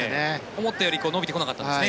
思ったより伸びてこなかったんですね。